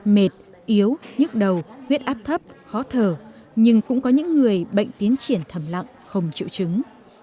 mệt yếu nhức đầu huyết áp thấp khó thở nhưng cũng có những người bệnh tiến triển thầm lặng không triệu chứng